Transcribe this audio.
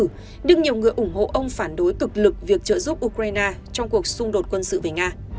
nhưng nhiều người ủng hộ ông phản đối cực lực việc trợ giúp ukraine trong cuộc xung đột quân sự về nga